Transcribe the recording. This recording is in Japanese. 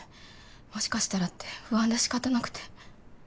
もしかしたらって不安で仕方なくて。